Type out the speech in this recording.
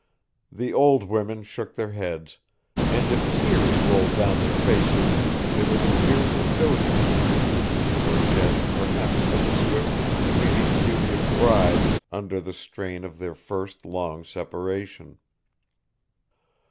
The old women shook their heads, and if tears rolled down their faces they were the tears of dotage, and were shed perhaps for the swift and fleeting beauty of brides under the strain of their first long separation.